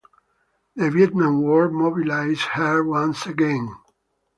The Vietnam War mobilized her once again.